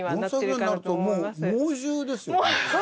４歳になるともう猛獣ですよね。